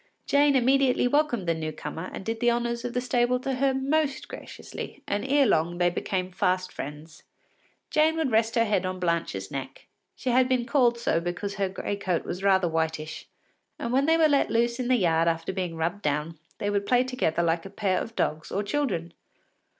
Jane immediately welcomed the new comer and did the honours of the stable to her most graciously, and ere long they became fast friends. Jane would rest her head on Blanche’s neck she had been so called because her gray coat was rather whitish and when they were let loose in the yard after being rubbed down, they would play together like a pair of dogs of children.